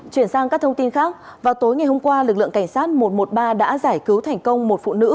chuyển sang các thông tin khác vào tối ngày hôm qua lực lượng cảnh sát một trăm một mươi ba đã giải cứu thành công một phụ nữ